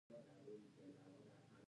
تاوان د لګښتونو د لوړوالي پایله ده.